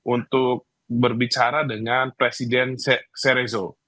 untuk berbicara dengan presiden serezo